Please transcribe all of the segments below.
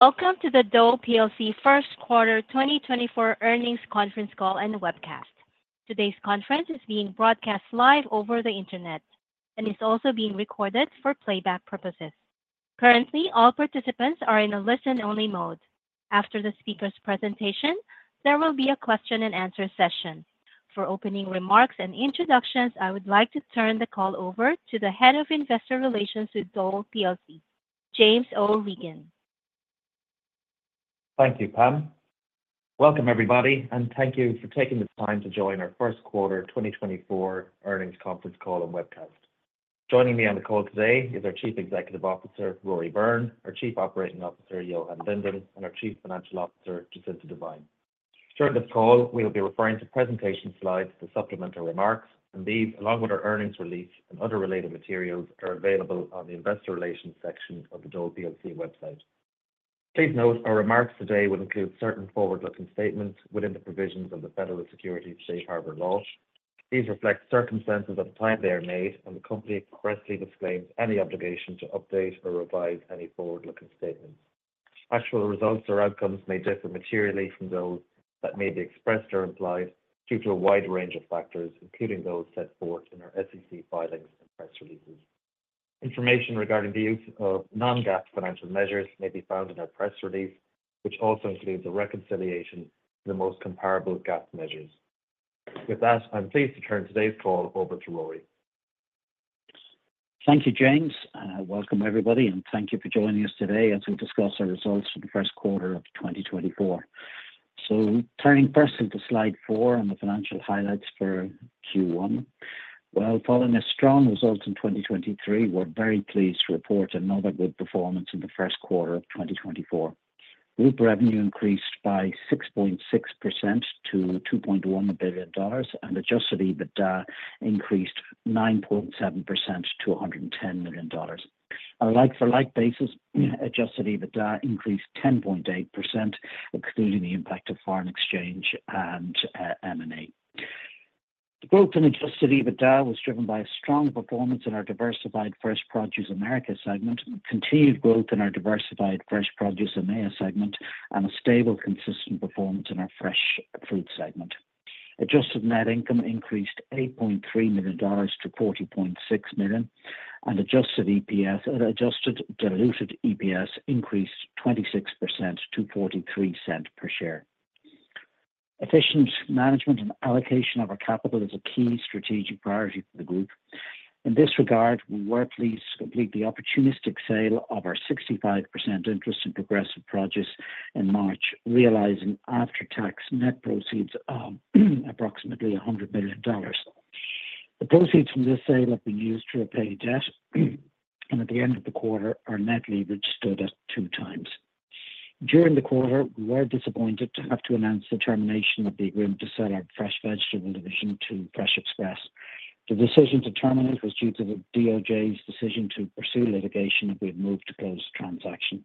Welcome to the Dole plc first quarter 2024 earnings conference call and webcast. Today's conference is being broadcast live over the Internet and is also being recorded for playback purposes. Currently, all participants are in a listen-only mode. After the speaker's presentation, there will be a question and answer session. For opening remarks and introductions, I would like to turn the call over to the Head of Investor Relations with Dole plc, James O'Regan. Thank you, Pam. Welcome, everybody, and thank you for taking the time to join our first quarter 2024 earnings conference call and webcast. Joining me on the call today is our Chief Executive Officer, Rory Byrne, our Chief Operating Officer, Johan Lindén, and our Chief Financial Officer, Jacinta Devine. During this call, we will be referring to presentation slides for supplemental remarks, and these, along with our earnings release and other related materials, are available on the Investor Relations section of the Dole plc website. Please note, our remarks today will include certain forward-looking statements within the provisions of the Federal Securities Safe Harbor Law. These reflect circumstances at the time they are made, and the company expressly disclaims any obligation to update or revise any forward-looking statements. Actual results or outcomes may differ materially from those that may be expressed or implied due to a wide range of factors, including those set forth in our SEC filings and press releases. Information regarding the use of non-GAAP financial measures may be found in our press release, which also includes a reconciliation to the most comparable GAAP measures. With that, I'm pleased to turn today's call over to Rory. Thank you, James, and welcome, everybody, and thank you for joining us today as we discuss our results for the first quarter of 2024. Turning first to slide 4 on the financial highlights for Q1. Well, following a strong result in 2023, we're very pleased to report another good performance in the first quarter of 2024. Group revenue increased by 6.6% to $2.1 billion, and adjusted EBITDA increased 9.7% to $110 million. On a like-for-like basis, adjusted EBITDA increased 10.8%, excluding the impact of foreign exchange and M&A. The growth in adjusted EBITDA was driven by a strong performance in our Diversified Fresh Produce Americas segment, continued growth in our Diversified Fresh Produce EMEA segment, and a stable, consistent performance in our Fresh Fruit segment. Adjusted Net Income increased $8.3 million to $40.6 million, and Adjusted EPS and Adjusted Diluted EPS increased 26% to $0.43 per share. Efficient management and allocation of our capital is a key strategic priority for the group. In this regard, we were pleased to complete the opportunistic sale of our 65% interest in Progressive Produce in March, realizing after-tax net proceeds of approximately $100 million. The proceeds from this sale have been used to repay debt, and at the end of the quarter, our net leverage stood at 2x. During the quarter, we were disappointed to have to announce the termination of the agreement to sell our fresh vegetable division to Fresh Express. The decision to terminate was due to the DOJ's decision to pursue litigation if we had moved to close the transaction.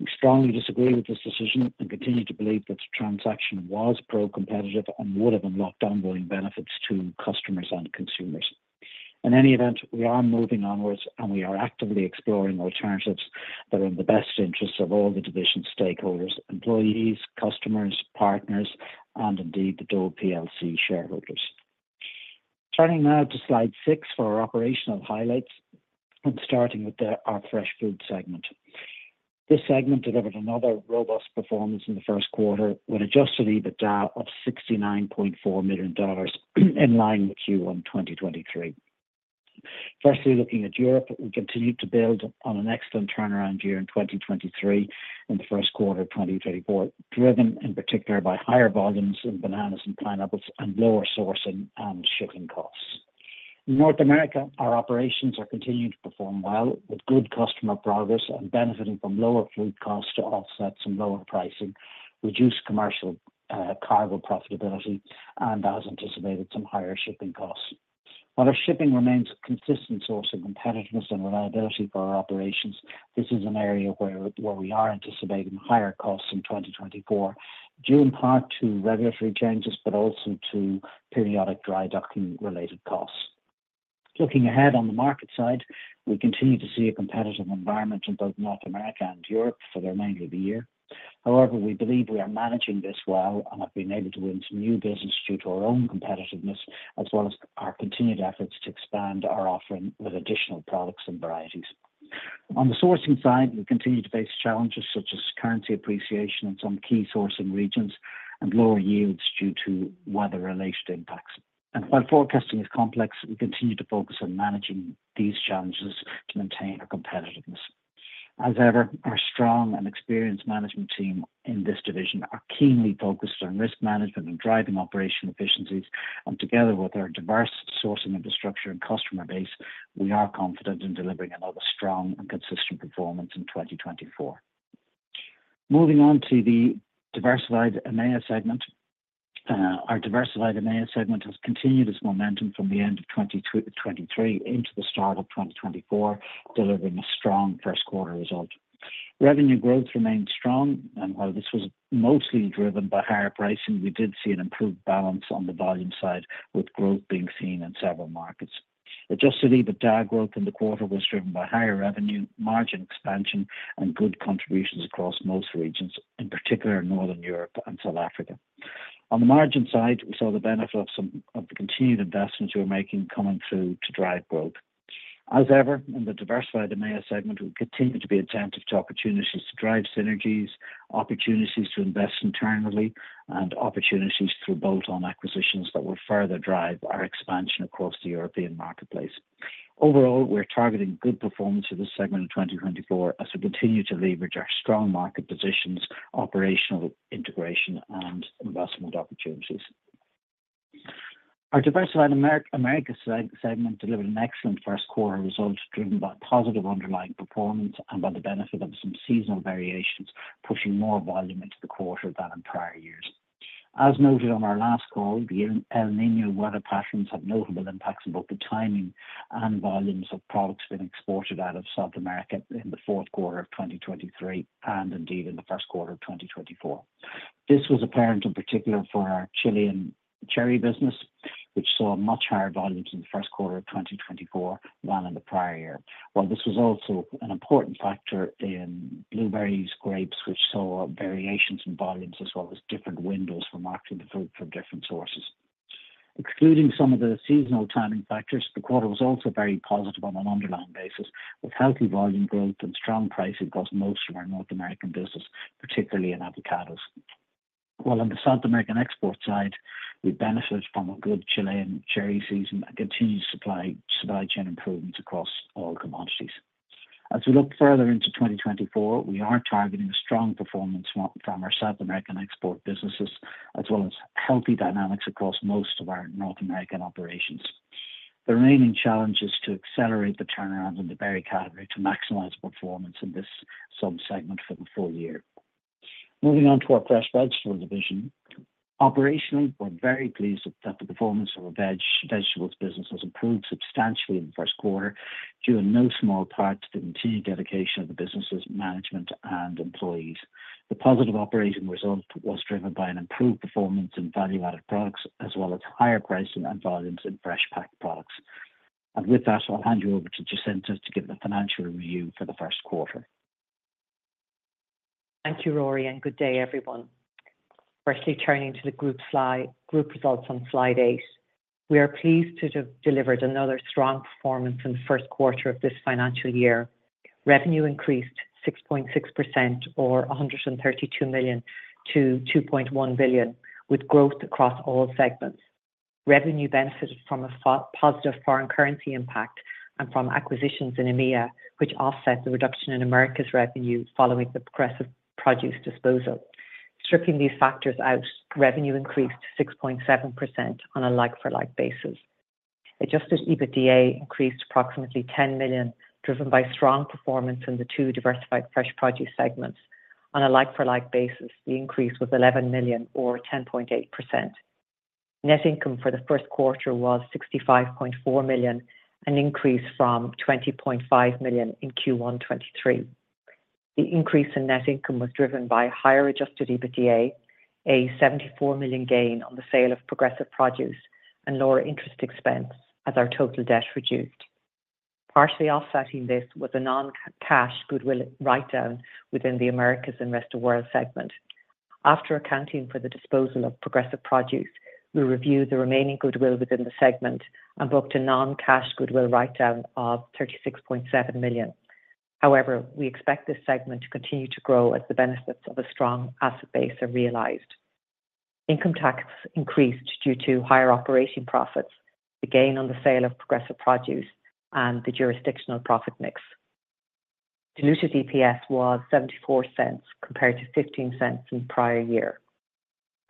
We strongly disagree with this decision and continue to believe that the transaction was pro-competitive and would have unlocked ongoing benefits to customers and consumers. In any event, we are moving onwards, and we are actively exploring alternatives that are in the best interests of all the division stakeholders, employees, customers, partners, and indeed, the Dole plc shareholders. Turning now to slide 6 for our operational highlights and starting with our Fresh Fruit segment. This segment delivered another robust performance in the first quarter, with Adjusted EBITDA of $69.4 million, in line with Q1 2023. Firstly, looking at Europe, we continued to build on an excellent turnaround year in 2023 in the first quarter of 2024, driven in particular by higher volumes in bananas and pineapples and lower sourcing and shipping costs. In North America, our operations are continuing to perform well, with good customer progress and benefiting from lower fleet costs to offset some lower pricing, reduced commercial cargo profitability, and as anticipated, some higher shipping costs. While our shipping remains a consistent source of competitiveness and reliability for our operations, this is an area where we are anticipating higher costs in 2024, due in part to regulatory changes, but also to periodic dry docking related costs. Looking ahead on the market side, we continue to see a competitive environment in both North America and Europe for the remainder of the year. However, we believe we are managing this well and have been able to win some new business due to our own competitiveness, as well as our continued efforts to expand our offering with additional products and varieties. On the sourcing side, we continue to face challenges such as currency appreciation in some key sourcing regions and lower yields due to weather-related impacts. While forecasting is complex, we continue to focus on managing these challenges to maintain our competitiveness. As ever, our strong and experienced management team in this division are keenly focused on risk management and driving operational efficiencies. Together with our diverse sourcing infrastructure and customer base, we are confident in delivering another strong and consistent performance in 2024. Moving on to the diversified EMEA segment. Our diversified EMEA segment has continued its momentum from the end of 2023 into the start of 2024, delivering a strong first quarter result. Revenue growth remained strong, and while this was mostly driven by higher pricing, we did see an improved balance on the volume side, with growth being seen in several markets.... Adjusted EBITDA growth in the quarter was driven by higher revenue, margin expansion, and good contributions across most regions, in particular in Northern Europe and South Africa. On the margin side, we saw the benefit of some of the continued investments we're making coming through to drive growth. As ever, in the Diversified EMEA segment, we continue to be attentive to opportunities to drive synergies, opportunities to invest internally, and opportunities through bolt-on acquisitions that will further drive our expansion across the European marketplace. Overall, we're targeting good performance in this segment in 2024 as we continue to leverage our strong market positions, operational integration, and investment opportunities. Our Diversified Americas segment delivered an excellent first quarter results, driven by positive underlying performance and by the benefit of some seasonal variations, pushing more volume into the quarter than in prior years. As noted on our last call, the El Niño weather patterns have notable impacts in both the timing and volumes of products being exported out of South America in the fourth quarter of 2023 and indeed in the first quarter of 2024. This was apparent in particular for our Chilean cherry business, which saw much higher volumes in the first quarter of 2024 than in the prior year. While this was also an important factor in blueberries, grapes, which saw variations in volumes as well as different windows for marketing the fruit from different sources. Excluding some of the seasonal timing factors, the quarter was also very positive on an underlying basis, with healthy volume growth and strong pricing across most of our North American business, particularly in avocados. While on the South American export side, we benefited from a good Chilean cherry season and continued supply chain improvements across all commodities. As we look further into 2024, we are targeting a strong performance from our South American export businesses, as well as healthy dynamics across most of our North American operations. The remaining challenge is to accelerate the turnarounds in the berry category to maximize performance in this sub-segment for the full year. Moving on to our Fresh Vegetables division. Operationally, we're very pleased that the performance of our vegetables business has improved substantially in the first quarter, due in no small part to the continued dedication of the business' management and employees. The positive operating result was driven by an improved performance in value-added products, as well as higher pricing and volumes in fresh packed products. With that, I'll hand you over to Jacinta to give the financial review for the first quarter. Thank you, Rory, and good day, everyone. Firstly, turning to the group slide, group results on slide 8. We are pleased to have delivered another strong performance in the first quarter of this financial year. Revenue increased 6.6% or $132 million to $2.1 billion, with growth across all segments. Revenue benefited from a positive foreign currency impact and from acquisitions in EMEA, which offset the reduction in Americas revenue following the Progressive Produce disposal. Stripping these factors out, revenue increased 6.7% on a like-for-like basis. Adjusted EBITDA increased approximately $10 million, driven by strong performance in the two Diversified Fresh Produce segments. On a like-for-like basis, the increase was $11 million or 10.8%. Net income for the first quarter was $65.4 million, an increase from $20.5 million in Q1 2023. The increase in net income was driven by higher Adjusted EBITDA, a $74 million gain on the sale of Progressive Produce, and lower interest expense as our total debt reduced. Partially offsetting this was a non-cash goodwill write-down within the Americas and Rest of World segment. After accounting for the disposal of Progressive Produce, we reviewed the remaining goodwill within the segment and booked a non-cash goodwill write-down of $36.7 million. However, we expect this segment to continue to grow as the benefits of a strong asset base are realized. Income tax increased due to higher operating profits, the gain on the sale of Progressive Produce, and the jurisdictional profit mix. Diluted EPS was $0.74, compared to $0.15 in the prior year.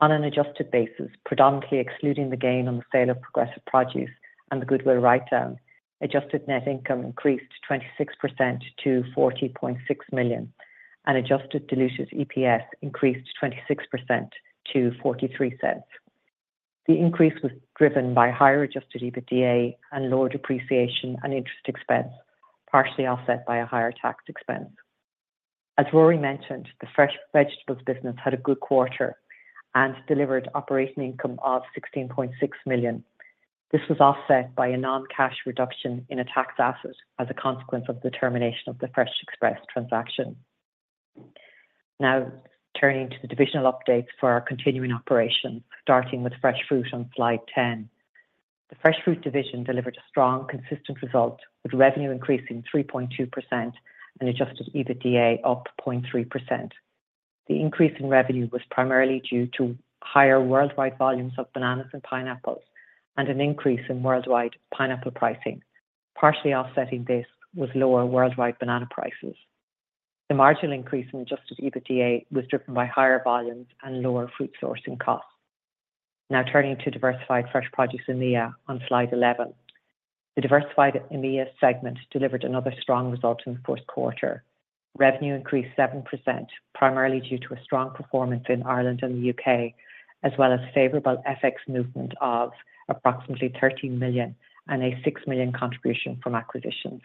On an adjusted basis, predominantly excluding the gain on the sale of Progressive Produce and the goodwill write-down, adjusted net income increased 26% to $40.6 million, and adjusted diluted EPS increased 26% to $0.43. The increase was driven by higher adjusted EBITDA and lower depreciation and interest expense, partially offset by a higher tax expense. As Rory mentioned, the Fresh Vegetables business had a good quarter and delivered operating income of $16.6 million. This was offset by a non-cash reduction in a tax asset as a consequence of the termination of the Fresh Express transaction. Now, turning to the divisional updates for our continuing operations, starting with fresh fruit on slide ten. The fresh fruit division delivered a strong, consistent result, with revenue increasing 3.2% and adjusted EBITDA up 0.3%. The increase in revenue was primarily due to higher worldwide volumes of bananas and pineapples, and an increase in worldwide pineapple pricing. Partially offsetting this was lower worldwide banana prices. The marginal increase in adjusted EBITDA was driven by higher volumes and lower fruit sourcing costs. Now turning to Diversified Fresh Produce EMEA on slide 11. The Diversified EMEA segment delivered another strong result in the first quarter. Revenue increased 7%, primarily due to a strong performance in Ireland and the UK, as well as favorable FX movement of approximately $13 million and a $6 million contribution from acquisitions.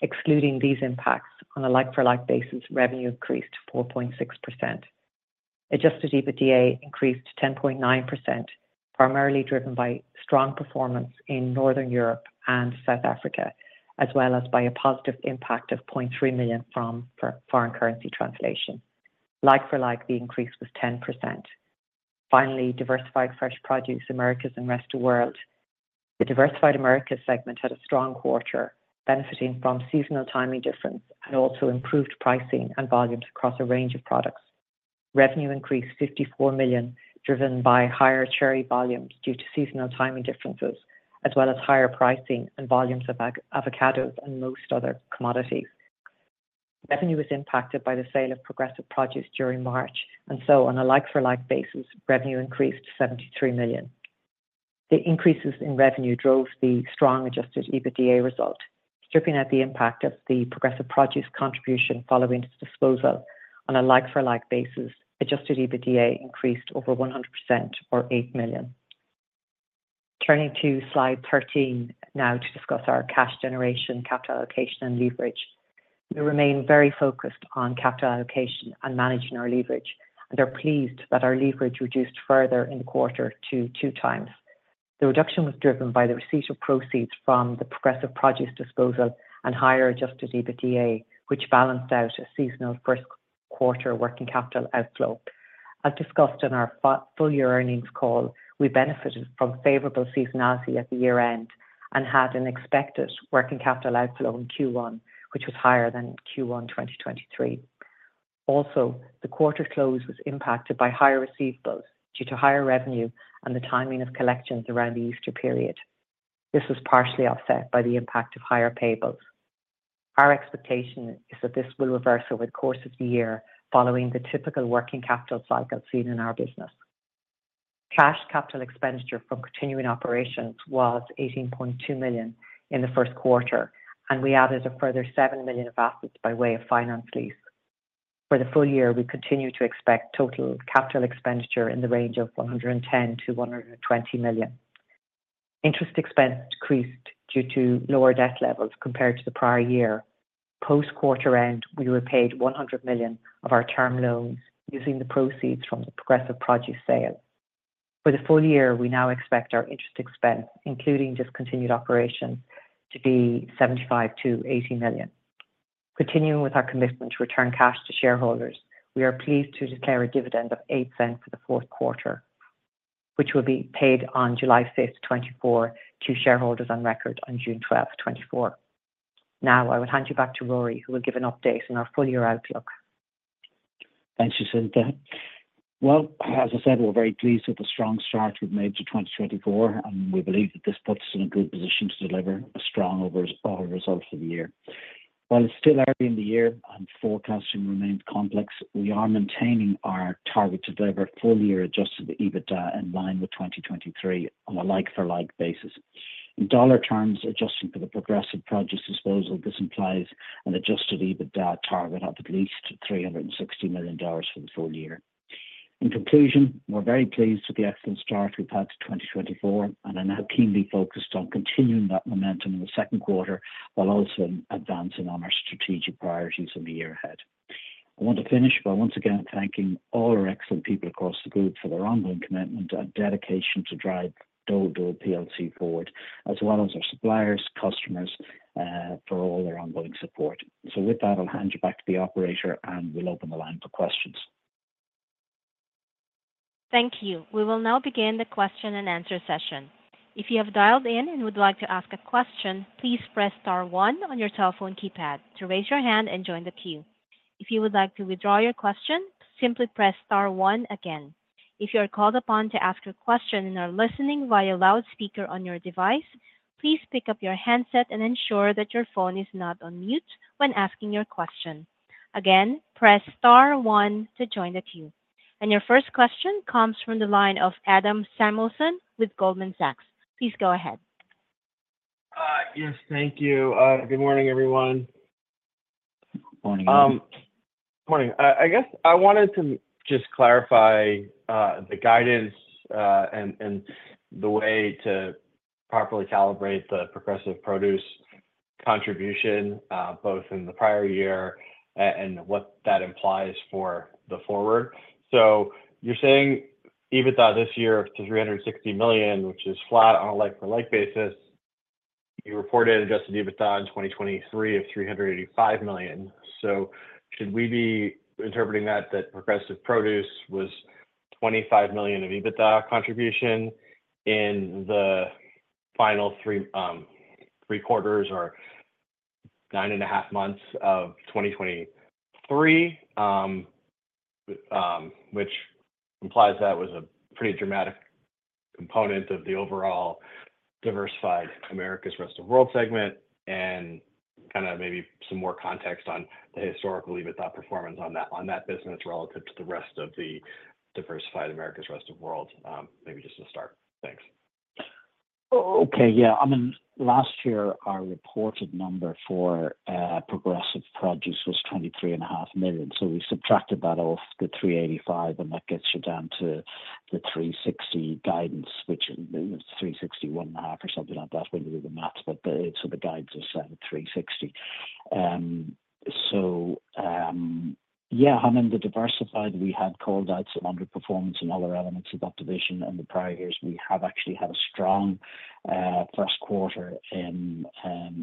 Excluding these impacts on a like-for-like basis, revenue increased 4.6%.... adjusted EBITDA increased to 10.9%, primarily driven by strong performance in Northern Europe and South Africa, as well as by a positive impact of $0.3 million from foreign currency translation. Like-for-like, the increase was 10%. Finally, Diversified Fresh Produce, Americas and Rest of World. The diversified Americas segment had a strong quarter, benefiting from seasonal timing difference and also improved pricing and volumes across a range of products. Revenue increased $54 million, driven by higher cherry volumes due to seasonal timing differences, as well as higher pricing and volumes of avocados and most other commodities. Revenue was impacted by the sale of Progressive Produce during March, and so on a like-for-like basis, revenue increased to $73 million. The increases in revenue drove the strong adjusted EBITDA result, stripping out the impact of the Progressive Produce contribution following its disposal. On a like-for-like basis, adjusted EBITDA increased over 100% or $8 million. Turning to Slide 13, now to discuss our cash generation, capital allocation, and leverage. We remain very focused on capital allocation and managing our leverage, and are pleased that our leverage reduced further in the quarter to 2 times. The reduction was driven by the receipt of proceeds from the Progressive Produce disposal and higher Adjusted EBITDA, which balanced out a seasonal first quarter working capital outflow. As discussed on our full-year earnings call, we benefited from favorable seasonality at the year-end and had an expected working capital outflow in Q1, which was higher than Q1 2023. Also, the quarter close was impacted by higher receivables due to higher revenue and the timing of collections around the Easter period. This was partially offset by the impact of higher payables. Our expectation is that this will reverse over the course of the year following the typical working capital cycle seen in our business. Cash capital expenditure from continuing operations was $18.2 million in the first quarter, and we added a further $7 million of assets by way of finance lease. For the full year, we continue to expect total capital expenditure in the range of $110 million-$120 million. Interest expense decreased due to lower debt levels compared to the prior year. Post-quarter end, we repaid $100 million of our term loans using the proceeds from the Progressive Produce sale. For the full year, we now expect our interest expense, including discontinued operations, to be $75 million-$80 million. Continuing with our commitment to return cash to shareholders, we are pleased to declare a dividend of $0.08 for the fourth quarter, which will be paid on July fifth, 2024, to shareholders on record on June twelfth, 2024. Now, I will hand you back to Rory, who will give an update on our full year outlook. Thank you, Jacinta. Well, as I said, we're very pleased with the strong start we've made to 2024, and we believe that this puts us in a good position to deliver a strong overall result for the year. While it's still early in the year and forecasting remains complex, we are maintaining our target to deliver full year adjusted EBITDA in line with 2023 on a like-for-like basis. In dollar terms, adjusting for the Progressive Produce disposal, this implies an adjusted EBITDA target of at least $360 million for the full year. In conclusion, we're very pleased with the excellent start we've had to 2024, and are now keenly focused on continuing that momentum in the second quarter, while also advancing on our strategic priorities in the year ahead. I want to finish by once again thanking all our excellent people across the group for their ongoing commitment and dedication to drive Dole plc forward, as well as our suppliers, customers, for all their ongoing support. So with that, I'll hand you back to the operator, and we'll open the line for questions. Thank you. We will now begin the question and answer session. If you have dialed in and would like to ask a question, please press star one on your telephone keypad to raise your hand and join the queue. If you would like to withdraw your question, simply press star one again. If you are called upon to ask a question and are listening via loudspeaker on your device, please pick up your handset and ensure that your phone is not on mute when asking your question. Again, press star one to join the queue. And your first question comes from the line of Adam Samuelson with Goldman Sachs. Please go ahead. Yes, thank you. Good morning, everyone. Morning. Morning. I guess I wanted to just clarify the guidance, and the way to properly calibrate the Progressive Produce contribution, both in the prior year and what that implies for the forward. So you're saying EBITDA this year is $360 million, which is flat on a like-for-like basis. You reported adjusted EBITDA in 2023 of $385 million. So should we be interpreting that Progressive Produce was $25 million of EBITDA contribution in the final three quarters or nine and a half months of 2023? Which implies that was a pretty dramatic component of the overall diversified Americas rest of world segment. Kind of maybe some more context on the historical EBITDA performance on that, on that business relative to the rest of the diversified Americas rest of world, maybe just to start. Thanks. Okay. Yeah, I mean, last year, our reported number for Progressive Produce was $23.5 million. So we subtracted that off the $385 million, and that gets you down to the $360 million guidance, which is $361.5 million or something like that when you do the math, but the... So the guidance is set at $360 million. So, yeah, and then the diversified, we had called out some underperformance and other elements of that division in the prior years. We have actually had a strong first quarter in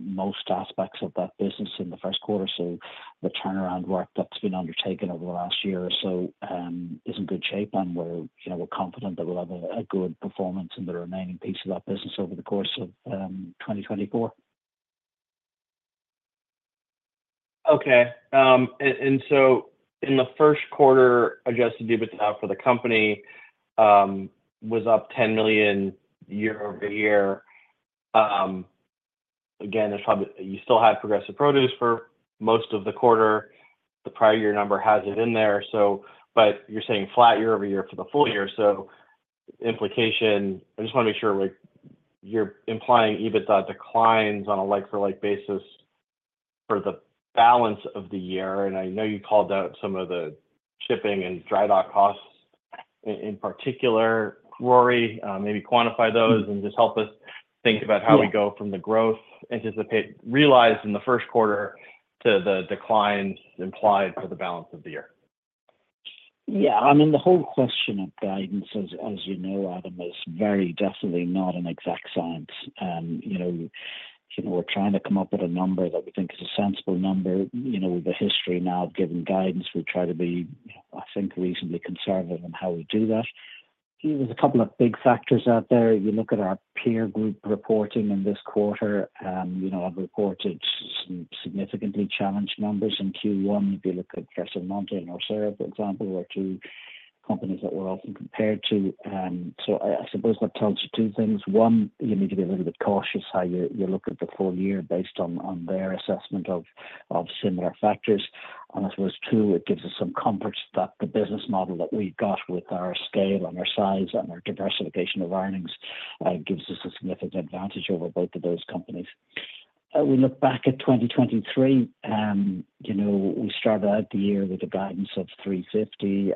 most aspects of that business in the first quarter. The turnaround work that's been undertaken over the last year or so is in good shape, and we're, you know, we're confident that we'll have a good performance in the remaining piece of that business over the course of 2024. Okay. And so in the first quarter, adjusted EBITDA for the company was up $10 million year-over-year. Again, there's probably—you still had Progressive Produce for most of the quarter. The prior year number has it in there, so but you're saying flat year-over-year for the full year. So implication... I just wanna make sure, like, you're implying EBITDA declines on a like-for-like basis for the balance of the year, and I know you called out some of the shipping and dry dock costs, in particular. Rory, maybe quantify those and just help us think about- Yeah. how we go from the growth anticipated realized in the first quarter to the declines implied for the balance of the year. Yeah, I mean, the whole question of guidance as you know, Adam, is very definitely not an exact science. You know, you know, we're trying to come up with a number that we think is a sensible number. You know, the history now of giving guidance, we try to be, I think, reasonably conservative in how we do that. There was a couple of big factors out there. You look at our peer group reporting in this quarter, you know, have reported some significantly challenged numbers in Q1. If you look at Fresh Del Monte or Orsero, for example, are two companies that we're often compared to. So I suppose that tells you two things. One, you need to be a little bit cautious how you're looking at the full year based on their assessment of similar factors. And I suppose, two, it gives us some comfort that the business model that we've got with our scale and our size and our diversification of earnings, gives us a significant advantage over both of those companies. We look back at 2023, you know, we started out the year with a guidance of $350,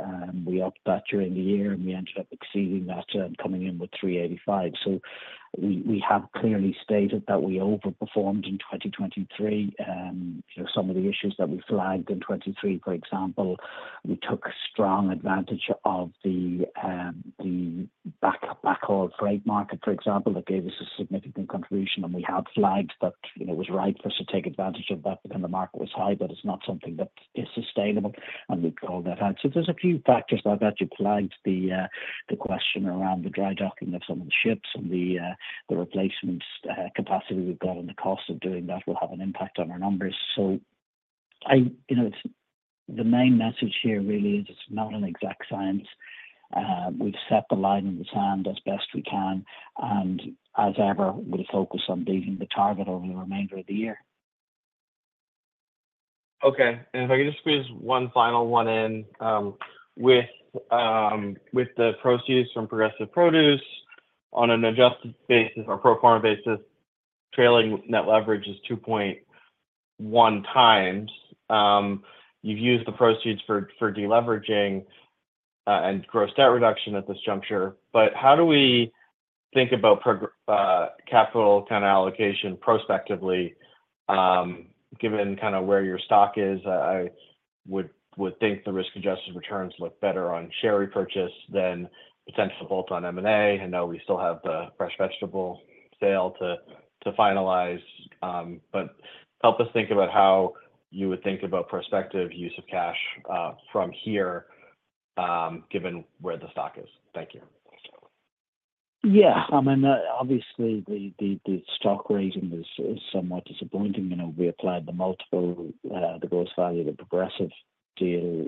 and we upped that during the year, and we ended up exceeding that and coming in with $385. So we have clearly stated that we overperformed in 2023. You know, some of the issues that we flagged in 2023, for example, we took strong advantage of the backhaul freight market, for example. That gave us a significant contribution, and we had flagged that, you know, it was right for us to take advantage of that when the market was high, but it's not something that is sustainable, and we've called that out. So there's a few factors like that. You flagged the question around the dry docking of some of the ships and the replacement capacity we've got, and the cost of doing that will have an impact on our numbers. So, you know, it's the main message here really is it's not an exact science. We've set the line in the sand as best we can, and as ever, we're focused on beating the target over the remainder of the year. Okay. If I could just squeeze one final one in, with the proceeds from Progressive Produce on an adjusted basis or pro forma basis, trailing net leverage is 2.1x. You've used the proceeds for deleveraging and gross debt reduction at this juncture. But how do we think about capital kind of allocation prospectively, given kind of where your stock is? I would think the risk-adjusted returns look better on share repurchase than potential bolt-on M&A. I know we still have the fresh vegetable sale to finalize, but help us think about how you would think about prospective use of cash, from here, given where the stock is. Thank you. Yeah. I mean, obviously, the stock rating is somewhat disappointing. You know, we applied the multiple, the gross value of the Progressive deal,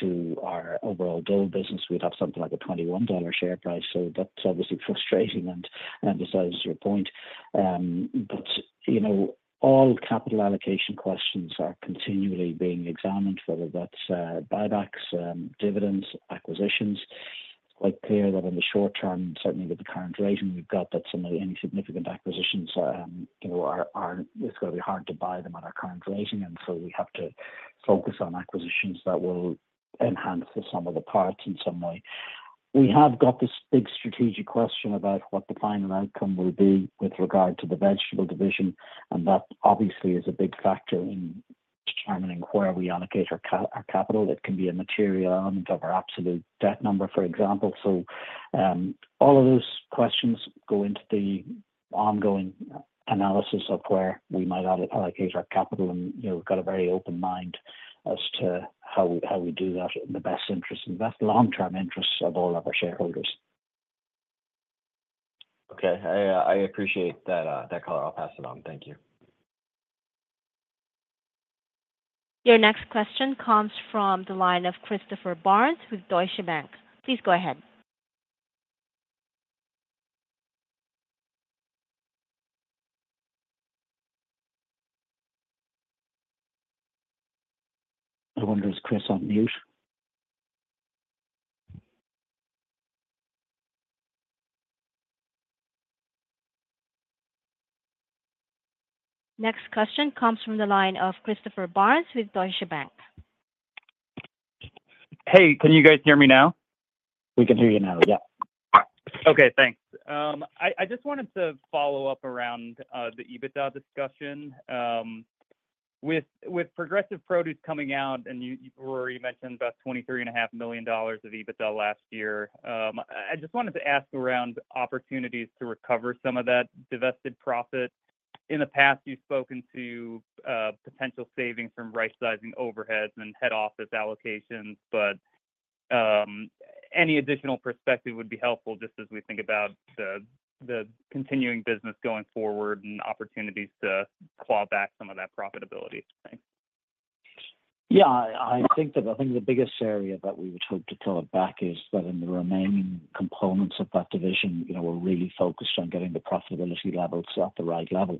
to our overall Dole business. We'd have something like a $21 share price. So that's obviously frustrating and emphasizes your point. But, you know, all capital allocation questions are continually being examined, whether that's buybacks, dividends, acquisitions. It's quite clear that in the short term, certainly with the current rating we've got, that any significant acquisitions, you know, aren't. It's gonna be hard to buy them at our current rating, and so we have to focus on acquisitions that will enhance the sum of the parts in some way. We have got this big strategic question about what the final outcome will be with regard to the vegetable division, and that obviously is a big factor in determining where we allocate our capital. That can be a material element of our absolute debt number, for example. So, all of those questions go into the ongoing analysis of where we might allocate our capital, and, you know, we've got a very open mind as to how we, how we do that in the best interest, invest long-term interests of all of our shareholders. Okay. I appreciate that color. I'll pass it on. Thank you. Your next question comes from the line of Christopher Barnes with Deutsche Bank. Please go ahead. I wonder, is Chris on mute? Next question comes from the line of Christopher Barnes with Deutsche Bank.... Hey, can you guys hear me now? We can hear you now. Yeah. Okay, thanks. I just wanted to follow up around the EBITDA discussion. With Progressive Produce coming out, and you already mentioned about $23.5 million of EBITDA last year. I just wanted to ask around opportunities to recover some of that divested profit. In the past, you've spoken to potential savings from rightsizing overheads and head office allocations, but any additional perspective would be helpful just as we think about the continuing business going forward and opportunities to claw back some of that profitability. Thanks. Yeah, I think the biggest area that we would hope to claw it back is that in the remaining components of that division, you know, we're really focused on getting the profitability levels at the right level.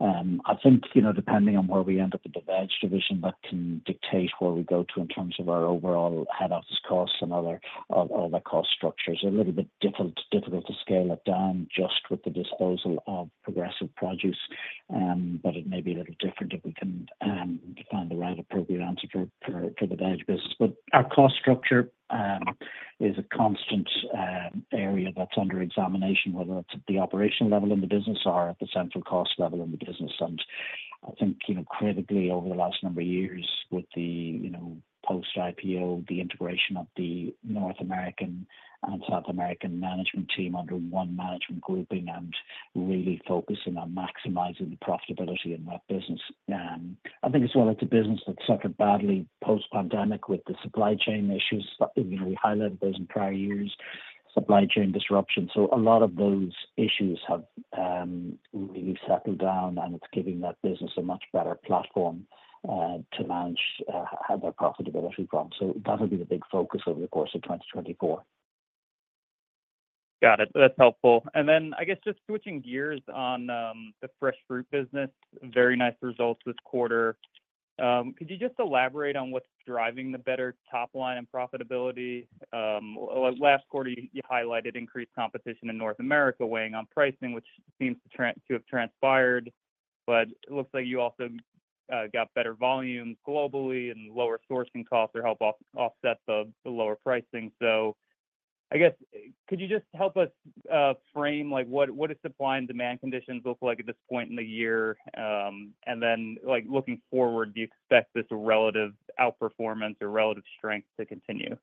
I think, you know, depending on where we end up with the veg division, that can dictate where we go to in terms of our overall head office costs and other cost structures. A little bit difficult to scale it down just with the disposal of Progressive Produce, but it may be a little different if we can find the right appropriate answer for the veg business. But our cost structure is a constant area that's under examination, whether it's at the operational level in the business or at the central cost level in the business. I think, you know, critically over the last number of years with the, you know, post-IPO, the integration of the North American and South American management team under one management grouping, and really focusing on maximizing the profitability in that business. I think as well, it's a business that suffered badly post-pandemic with the supply chain issues. You know, we highlighted those in prior years, supply chain disruptions. So a lot of those issues have really settled down, and it's giving that business a much better platform to launch, have their profitability from. So that'll be the big focus over the course of 2024. Got it. That's helpful. And then, I guess just switching gears on the fresh fruit business, very nice results this quarter. Could you just elaborate on what's driving the better top line and profitability? Last quarter, you highlighted increased competition in North America weighing on pricing, which seems to have transpired, but it looks like you also got better volumes globally and lower sourcing costs to help offset the lower pricing. So I guess, could you just help us frame, like, what is supply and demand conditions look like at this point in the year? And then, like, looking forward, do you expect this relative outperformance or relative strength to continue?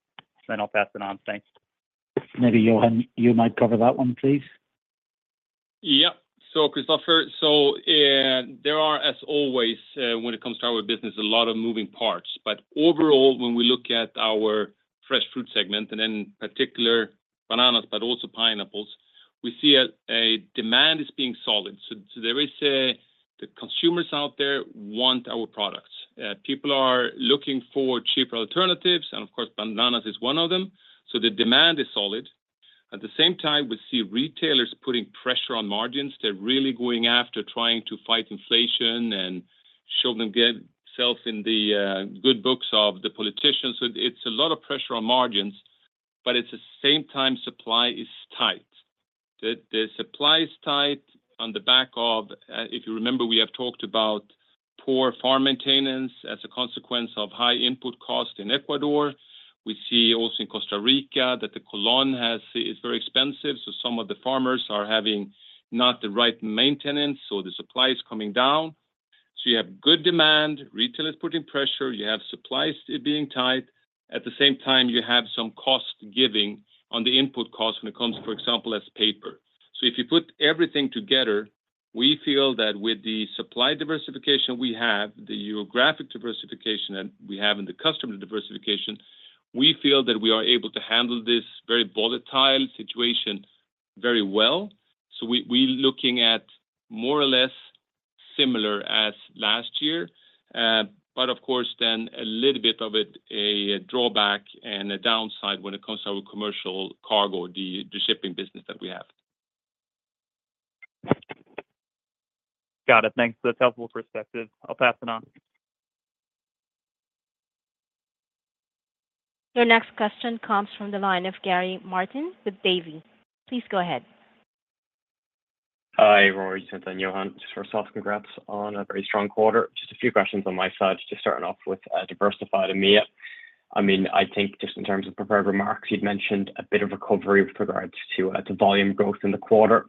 Then I'll pass it on. Thanks. Maybe, Johan Lindén, you might cover that one, please. Yeah. So Christopher, so, there are, as always, when it comes to our business, a lot of moving parts. But overall, when we look at our Fresh Fruit segment, and in particular bananas, but also pineapples, we see a demand is being solid. So there is a-- the consumers out there want our products. People are looking for cheaper alternatives, and of course, bananas is one of them. So the demand is solid. At the same time, we see retailers putting pressure on margins. They're really going after trying to fight inflation and show them get themselves in the, good books of the politicians. So it's a lot of pressure on margins, but at the same time, supply is tight. The supply is tight on the back of, if you remember, we have talked about poor farm maintenance as a consequence of high input costs in Ecuador. We see also in Costa Rica, that the colón is very expensive, so some of the farmers are having not the right maintenance, so the supply is coming down. So you have good demand, retail is putting pressure, you have supplies being tight. At the same time, you have some cost giving on the input cost when it comes, for example, as paper. So if you put everything together, we feel that with the supply diversification we have, the geographic diversification that we have, and the customer diversification, we feel that we are able to handle this very volatile situation very well. So we looking at more or less similar as last year, but of course, then a little bit of it, a drawback and a downside when it comes to our commercial cargo, the shipping business that we have. Got it. Thanks. That's helpful perspective. I'll pass it on. Your next question comes from the line of Gary Martin with Davy. Please go ahead. Hi, Rory and then Johan. Just first off, congrats on a very strong quarter. Just a few questions on my side, just starting off with diversified EMEA. I mean, I think just in terms of prepared remarks, you'd mentioned a bit of recovery with regards to the volume growth in the quarter.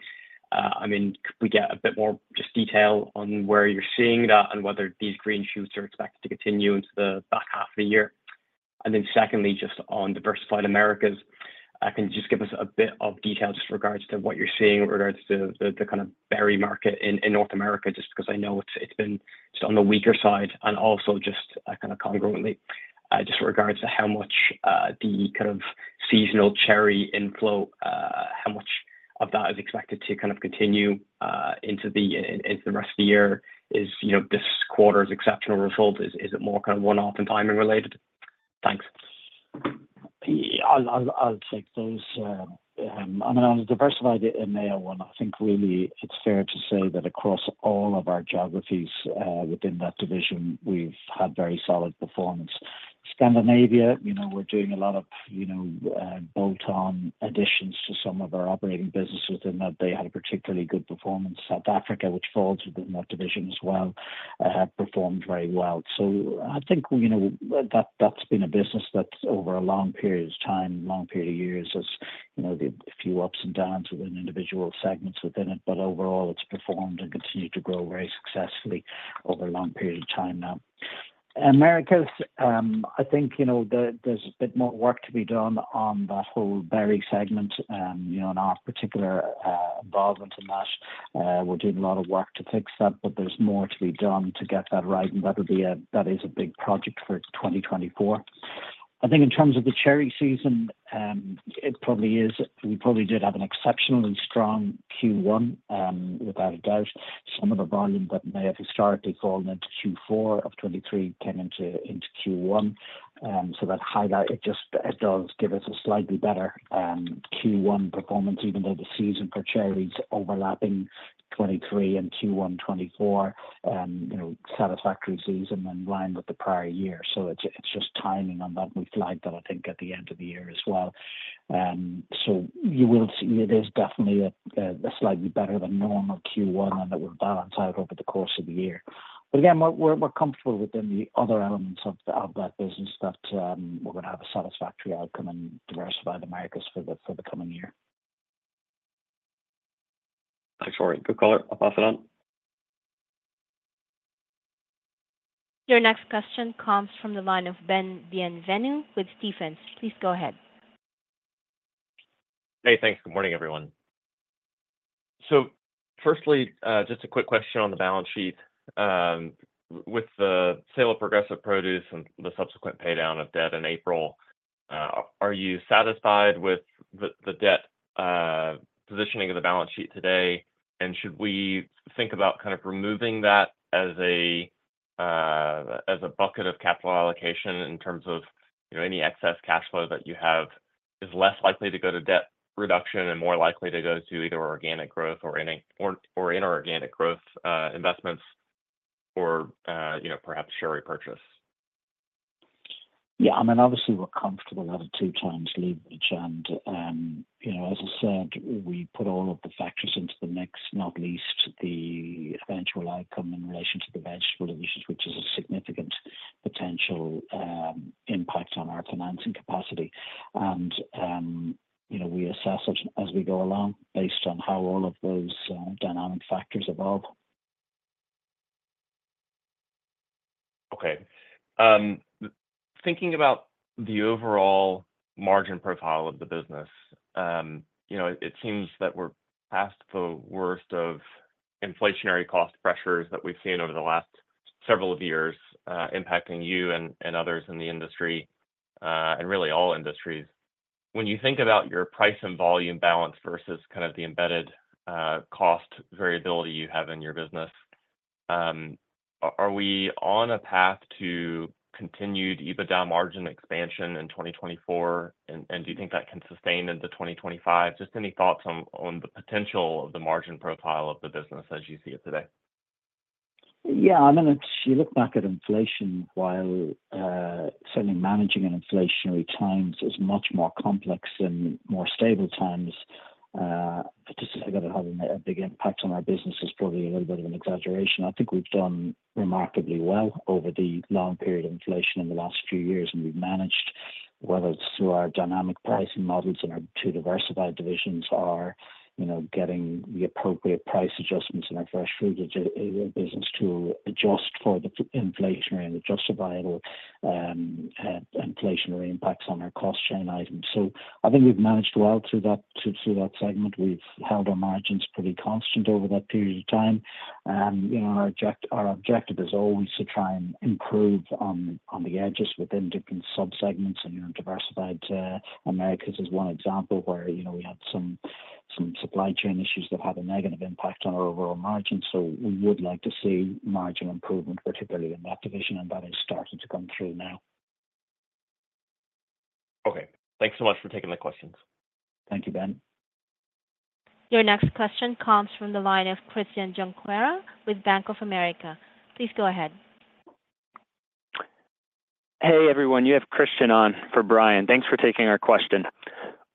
I mean, could we get a bit more just detail on where you're seeing that and whether these green shoots are expected to continue into the back half of the year? And then secondly, just on diversified Americas, can you just give us a bit of detail just regards to what you're seeing in regards to the kind of berry market in North America, just because I know it's been just on the weaker side. Also just kind of congruently, just regards to how much the kind of seasonal cherry inflow, how much of that is expected to kind of continue into the rest of the year? Is, you know, this quarter's exceptional result more kind of one-off and timing related? Thanks. Yeah, I'll take those. I mean, on the diversified EMEA one, I think really it's fair to say that across all of our geographies within that division, we've had very solid performance. Scandinavia, you know, we're doing a lot of you know, bolt-on additions to some of our operating businesses, and they had a particularly good performance. South Africa, which falls within that division as well, have performed very well. So I think, you know, that that's been a business that's over a long period of time, long period of years has you know, a few ups and downs within individual segments within it, but overall it's performed and continued to grow very successfully over a long period of time now. Americas, I think, you know, the, there's a bit more work to be done on that whole berry segment, and, you know, and our particular, involvement in that. We're doing a lot of work to fix that, but there's more to be done to get that right, and that'll be a, that is a big project for 2024. I think in terms of the cherry season, it probably is, we probably did have an exceptionally strong Q1, without a doubt. Some of the volume that may have historically fallen into Q4 of 2023 came into Q1. So that highlight, it just, it does give us a slightly better, Q1 performance, even though the season for cherries overlapping 2023 and Q1 2024, you know, satisfactory season in line with the prior year. So it's, it's just timing on that. We flagged that, I think, at the end of the year as well. So you will see it is definitely a slightly better than normal Q1, and it will balance out over the course of the year. But again, we're comfortable within the other elements of that business that we're gonna have a satisfactory outcome and diversify the markets for the coming year. Thanks, Rory. Good call. I'll pass it on. Your next question comes from the line of Ben Bienvenu with Stephens Inc. Please go ahead. Hey, thanks. Good morning, everyone. So firstly, just a quick question on the balance sheet. With the sale of Progressive Produce and the subsequent paydown of debt in April, are you satisfied with the debt positioning of the balance sheet today? And should we think about kind of removing that as a bucket of capital allocation in terms of, you know, any excess cash flow that you have is less likely to go to debt reduction and more likely to go to either organic growth or inorganic growth investments or, you know, perhaps share repurchase? Yeah, I mean, obviously, we're comfortable at a 2x leverage. And, you know, as I said, we put all of the factors into the mix, not least the eventual outcome in relation to the vegetable issues, which is a significant potential, impact on our financing capacity. And, you know, we assess it as we go along, based on how all of those, dynamic factors evolve. Okay. Thinking about the overall margin profile of the business, you know, it seems that we're past the worst of inflationary cost pressures that we've seen over the last several years, impacting you and others in the industry, and really all industries. When you think about your price and volume balance versus kind of the embedded cost variability you have in your business, are we on a path to continued EBITDA margin expansion in 2024, and do you think that can sustain into 2025? Just any thoughts on the potential of the margin profile of the business as you see it today. Yeah, I mean, it's you look back at inflation, while certainly managing in inflationary times is much more complex than in more stable times, to say that it had a big impact on our business is probably a little bit of an exaggeration. I think we've done remarkably well over the long period of inflation in the last few years, and we've managed, whether it's through our dynamic pricing models in our two diversified divisions or, you know, getting the appropriate price adjustments in our fresh fruit business to adjust for the inflationary and justifiable inflationary impacts on our supply chain items. So I think we've managed well through that, through that segment. We've held our margins pretty constant over that period of time. You know, our object—our objective is always to try and improve on, on the edges within different subsegments. And, you know, Diversified Americas is one example where, you know, we had some, some supply chain issues that had a negative impact on our overall margins. So we would like to see margin improvement, particularly in that division, and that is starting to come through now. Okay. Thanks so much for taking my questions. Thank you, Ben. Your next question comes from the line of Christian Junquera with Bank of America. Please go ahead. Hey, everyone, you have Christian on for Brian. Thanks for taking our question.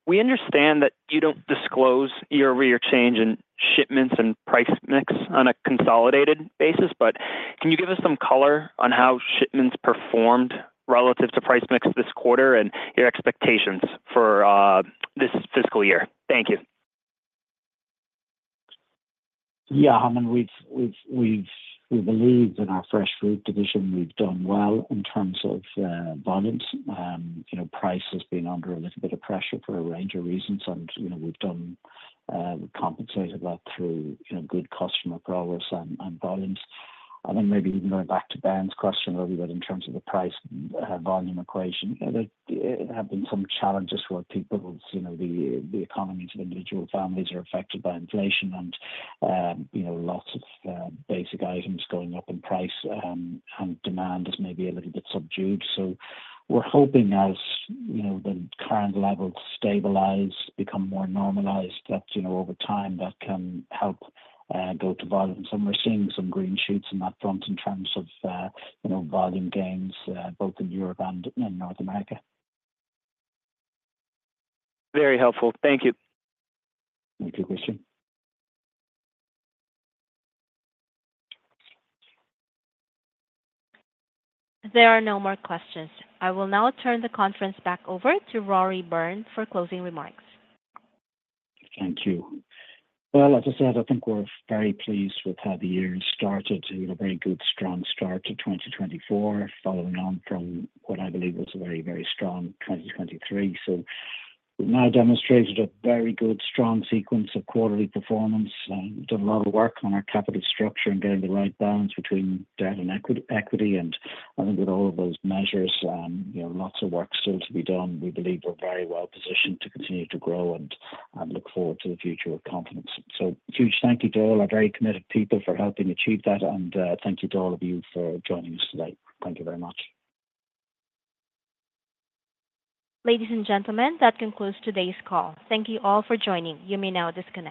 We understand that you don't disclose year-over-year change in shipments and price mix on a consolidated basis, but can you give us some color on how shipments performed relative to price mix this quarter and your expectations for this fiscal year? Thank you. Yeah, I mean, we believe that our fresh food division, we've done well in terms of volumes. You know, price has been under a little bit of pressure for a range of reasons, and, you know, we've done compensated that through, you know, good customer progress and volumes. I think maybe even going back to Ben's question earlier, but in terms of the price and volume equation, there have been some challenges for people. You know, the economies of individual families are affected by inflation and, you know, lots of basic items going up in price, and demand is maybe a little bit subdued. So we're hoping as, you know, the current levels stabilize, become more normalized, that, you know, over time, that can help build volumes. We're seeing some green shoots on that front in terms of, you know, volume gains, both in Europe and in North America. Very helpful. Thank you. Thank you, Christian. There are no more questions. I will now turn the conference back over to Rory Byrne for closing remarks. Thank you. Well, as I said, I think we're very pleased with how the year started to a very good, strong start to 2024, following on from what I believe was a very, very strong 2023. So we've now demonstrated a very good, strong sequence of quarterly performance and done a lot of work on our capital structure and getting the right balance between debt and equity, equity. And I think with all of those measures, you know, lots of work still to be done. We believe we're very well positioned to continue to grow and, and look forward to the future with confidence. So huge thank you to all our very committed people for helping achieve that, and, thank you to all of you for joining us today. Thank you very much. Ladies and gentlemen, that concludes today's call. Thank you all for joining. You may now disconnect.